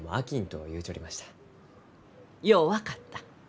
よう分かった。